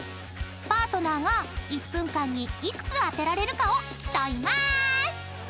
［パートナーが１分間に幾つ当てられるかを競いまーす！］